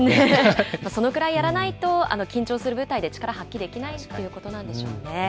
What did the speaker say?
そのくらいやらないと、緊張する舞台で力、発揮できないっていうことなんでしょうね。